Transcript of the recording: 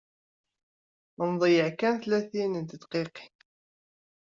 Nḍeyyeɛ kan tlatin n tedqiqin.